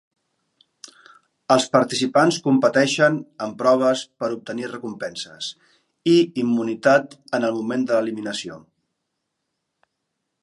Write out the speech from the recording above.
Els participants competeixen en proves per obtenir recompenses i immunitat en el moment de l'eliminació.